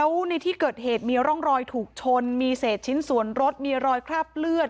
แล้วในที่เกิดเหตุมีร่องรอยถูกชนมีเศษชิ้นส่วนรถมีรอยคราบเลือด